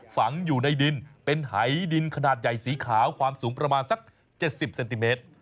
ฝังอยู่ในดินเป็นหายดินขนาดใหญ่สีขาวความสูงประมาณสัก๗๐เซนติเมตร